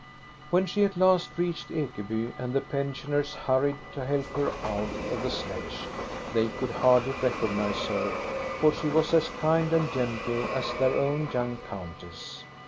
'' When she at last reached Ekeby, and the pensioners hurried to help her out of the sledge, they could hardly recognize her, for she was as kind and gentle as their own young countess.